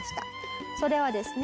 それはですね